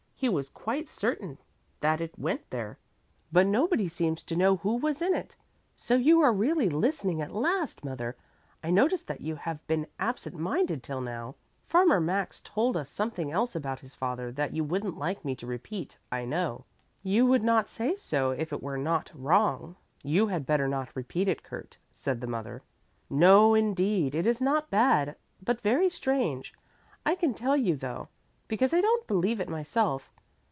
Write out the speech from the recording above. He was quite certain that it went there, but nobody seems to know who was in it. So you are really listening at last, mother! I noticed that you have been absentminded till now. Farmer Max told us something else about his father that you wouldn't like me to repeat, I know." "You would not say so if it were not wrong; you had better not repeat it, Kurt," said the mother. "No, indeed, it is not bad, but very strange. I can tell you though, because I don't believe it myself.